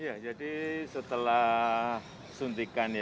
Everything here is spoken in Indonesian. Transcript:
ya jadi setelah suntikan ya